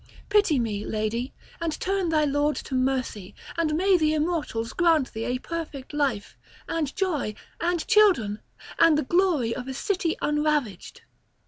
Pity me, lady, and turn thy lord to mercy; and may the immortals grant thee a perfect life, and joy, and children, and the glory of a city unravaged!"